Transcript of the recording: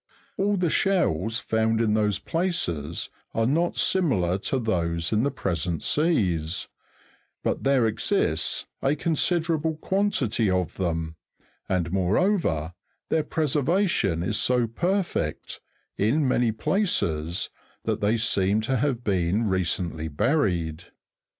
All the shells found in those places are not similar to those in the pre sent seas; but there exists a considerable quantity of them, and moreover, their preservation is so perfect, in many places, that they seem to have been recently buried.